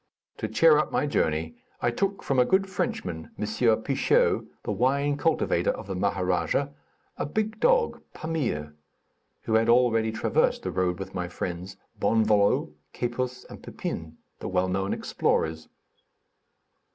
To cheer up my journey, I took from a good Frenchman, M. Peicheau, the wine cultivator of the Maharadja, a big dog, Pamir, who had already traversed the road with my friends, Bonvallot, Capus and Pepin, the well known explorers.